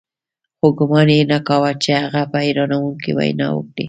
خو ګومان یې نه کاوه چې هغه به حیرانوونکې وینا وکړي